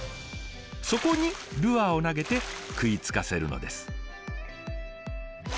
そこにルアーを投げて食いつかせるのです。